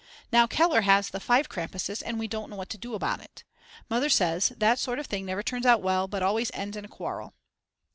Now Keller has the five Krampuses and we don't know what to do about it. Mother says that sort of thing never turns out well but always ends in a quarrel.